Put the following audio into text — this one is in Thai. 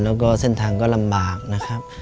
แล้วก็เส้นทางก็ลำบากนะครับ